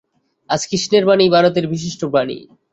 আজ কৃষ্ণের বাণীই ভারতের বিশিষ্ট বাণী।